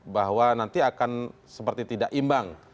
bahwa nanti akan seperti tidak imbang